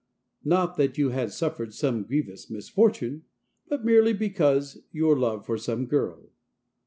Not that you had suffered some grievous misfortune, but merely because of your love for some girl.